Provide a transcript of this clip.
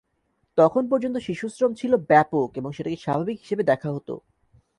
তখন পর্যন্ত শিশুশ্রম ছিল ব্যাপক এবং সেটাকে স্বাভাবিক হিসেবে দেখা হতো।